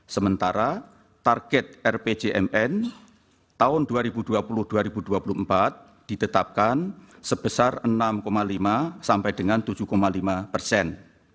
sementara target rpjmn tahun dua ribu dua puluh dua ribu dua puluh empat ditetapkan sebesar enam lima sampai dengan tujuh lima persen